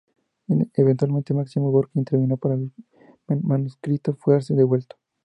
Eventualmente, Máximo Gorki intervino para que el manuscrito fuese devuelto.